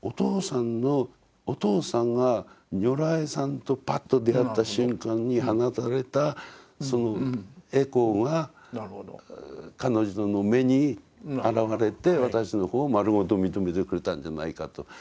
お父さんが如来さんとパッと出会った瞬間に放たれたその回向が彼女の目にあらわれて私の方を丸ごと認めてくれたんじゃないかと。